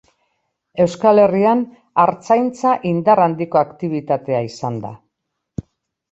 Euskal Herrian artzaintza indar handiko aktibitatea izan da.